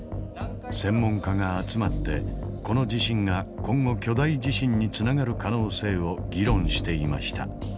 専門家が集まってこの地震が今後巨大地震につながる可能性を議論していました。